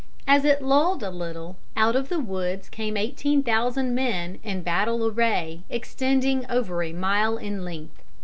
As it lulled a little, out of the woods came eighteen thousand men in battle array extending over a mile in length.